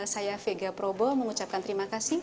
saya vega probo mengucapkan terima kasih